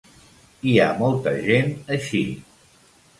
Hi ha molta gent així.